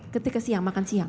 ketika siang makan siang